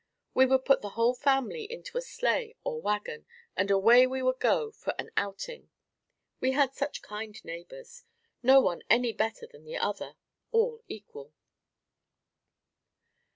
We would put the whole family into a sleigh or wagon and away we would go for an outing. We had such kind neighbors no one any better than the other all equal.